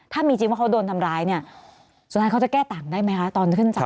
ถ้ามีจริงว่าเขาโดนทำร้ายเนี่ยสุดท้ายเขาจะแก้ต่างได้ไหมคะตอนขึ้นจาก